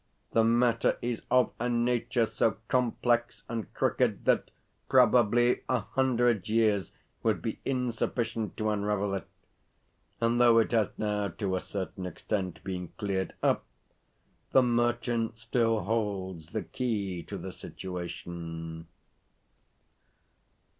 The matter is of a nature so complex and crooked that probably a hundred years would be insufficient to unravel it; and, though it has now to a certain extent been cleared up, the merchant still holds the key to the situation.